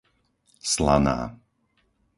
Slaná